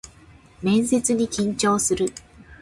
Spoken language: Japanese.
面接に緊張する